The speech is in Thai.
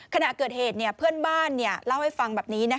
ขณะเกิดเหตุเพื่อนบ้านเล่าให้ฟังแบบนี้